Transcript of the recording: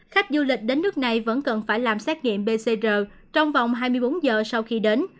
khách du lịch đến nước này vẫn cần phải làm xét nghiệm pcr trong vòng hai mươi bốn giờ sau khi đến